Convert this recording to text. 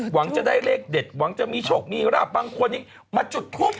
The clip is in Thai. หวังจะได้เลขเด็ดหวังจะมีโชคมีราบบางคนนี้มาจุดทูป